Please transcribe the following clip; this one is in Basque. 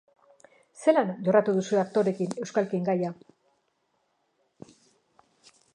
Zelan jorratu duzue aktoreekin euskalkien gaia?